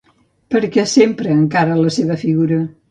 Per què s'empra encara la seva figura?